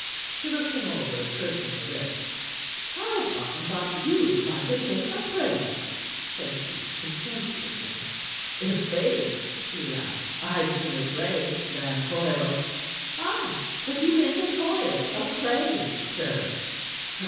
She looked him over, pursing her lips. "I've often thought you might have been a player," said she contemptuously. "I'faith," he laughed, "I'd sooner play than toil." "Ay; but you make a toil of play, sir."